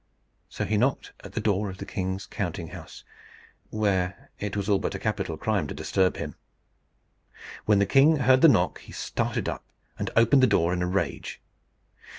So he knocked at the door of the king's counting house, where it was all but a capital crime to disturb him. When the king heard the knock he started up, and opened the door in a rage.